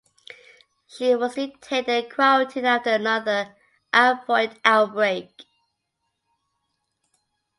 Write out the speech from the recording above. She was detained and quarantined after another typhoid outbreak.